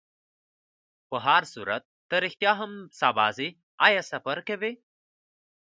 په هرصورت، ته رښتیا هم سبا ځې؟ آیا سفر کوې؟